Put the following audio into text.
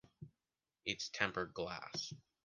It's tempered glass.